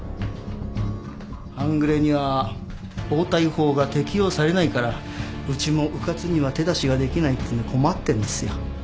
半グレには暴対法が適用されないからうちもうかつには手出しができないっつうんで困ってんですよ。